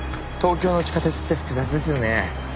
東京の地下鉄って複雑ですよね。